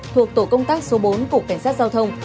thuộc tổ công tác số bốn cục cảnh sát giao thông